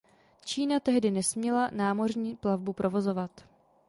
Čína tehdy nesměla námořní plavbu provozovat.